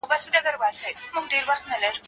روسي مامور د ده په دې خبره باندې ډېر ډاډه شو.